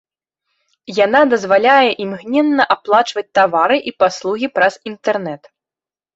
Яна дазваляе імгненна аплачваць тавары і паслугі праз інтэрнэт.